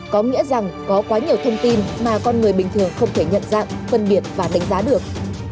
có nghĩa rằng có quá nhiều thông tin mà con người bình thường không thể nhận dạng phân biệt và đánh giá được